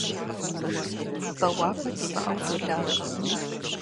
Бэуапӏэ димыӏэу долажьэ.